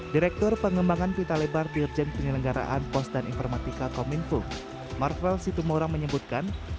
direktur pengembangan pintalebar dirjen penyelenggaraan pos dan informatika kominfo marvel situmora menyebutkan